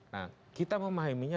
nah kita memahaminya